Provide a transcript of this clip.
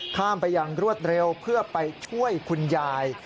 ข้ามไปอย่างรวดเร็วเพื่อไปช่วยคุณยาย